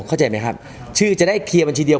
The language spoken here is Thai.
เข้าใจไหมครับชื่อจะได้เคลียร์บัญชีเดียว